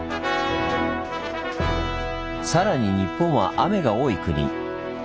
さらに日本は雨が多い国。